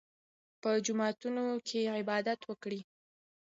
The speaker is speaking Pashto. په جوماتونو کې عبادت وکړئ.